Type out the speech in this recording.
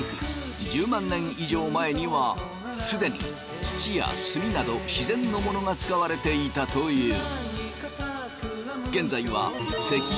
１０万年以上前には既に土や炭など自然のものが使われていたという。